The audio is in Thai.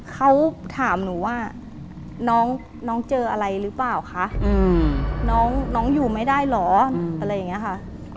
เขาถามหนูว่าน้องเจออะไรหรือเปล่าคะน้องอยู่ไม่ได้เหรออะไรอย่างนี้ค่ะ